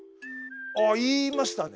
あ言いましたね。